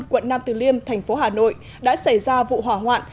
quận nam từ liêm thành phố hà nội đã xảy ra vụ hỏa hoạn